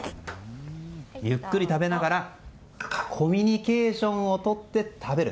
ゆっくり食べながらコミュニケーションを取って食べる。